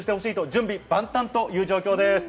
準備万端という状況です。